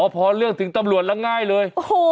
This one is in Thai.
พอเรื่องถึงตำรวจแล้วง่ายเลย